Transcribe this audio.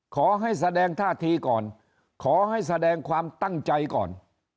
แสดงท่าทีก่อนขอให้แสดงความตั้งใจก่อน